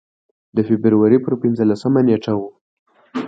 د فبروري پر پنځلسمه نېټه و.